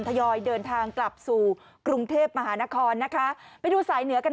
ยอยเดินทางกลับสู่กรุงเทพมหานครนะคะไปดูสายเหนือกัน